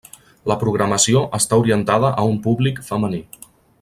La programació està orientada a un públic femení.